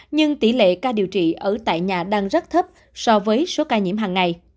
nhưng tỷ lệ ca điều trị ở tại nhà đang rất thấp so với số ca nhiễm hàng ngày